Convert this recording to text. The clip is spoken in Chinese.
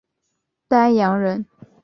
丹阳人。